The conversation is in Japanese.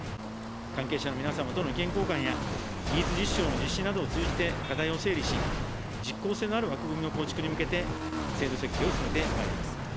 関係者の皆様との意見交換や、技術実証の実施などを通じて、課題を整理し、実効性のある枠組みの構築に向けて、制度設計を進めてまいります。